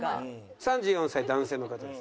３４歳男性の方です。